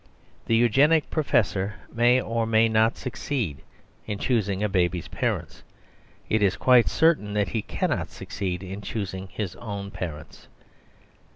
The Eugenic professor may or may not succeed in choosing a baby's parents; it is quite certain that he cannot succeed in choosing his own parents.